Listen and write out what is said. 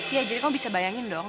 ya jadi kamu bisa bayangin dong